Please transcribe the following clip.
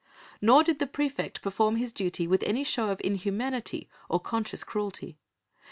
Nor did the praefect perform his duty with any show of inhumanity or conscious cruelty.